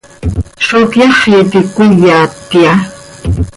¿Zó cyaxi iti cöquíyatya?